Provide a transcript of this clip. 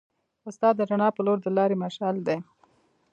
استاد د رڼا په لور د لارې مشعل دی.